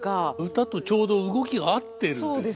歌とちょうど動きが合ってるんですね。